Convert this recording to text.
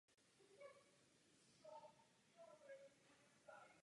Křídla i konec ocasu však také černé.